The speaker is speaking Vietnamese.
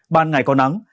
ban ngày có nắng